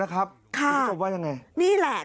ค่ะนี่แหละ